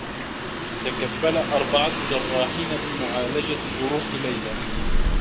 تكفّل أربعة جرّاحين بمعالجة جروح ليلى.